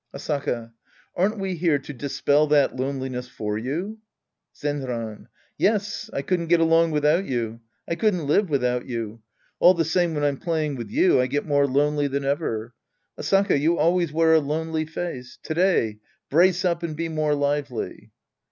Asaka. Aren't we here to dispell that loneliness for you ? Zenran. Yes. I couldn't get along without you. I couldn't live without you. All the same, when I'm playing with you, I get more lonely than ever. Asaka, you always wear a lonely face. To day, brace up and be more lively.